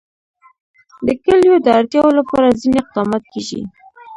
د کلیو د اړتیاوو لپاره ځینې اقدامات کېږي.